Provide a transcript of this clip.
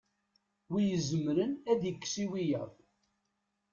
wi izemren ad ikkes i wiyaḍ